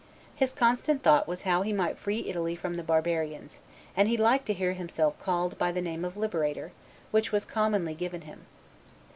His constant thought was how he might free Italy from the barbarians; and he liked to hear himself called by the name of liberator, which was commonly given him.